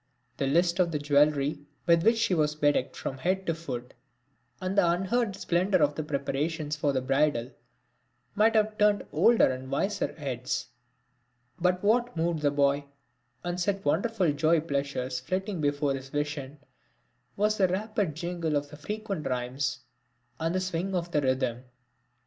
The list of the jewellery with which she was bedecked from head to foot, and the unheard of splendour of the preparations for the bridal, might have turned older and wiser heads; but what moved the boy, and set wonderful joy pictures flitting before his vision, was the rapid jingle of the frequent rhymes and the swing of the rhythm.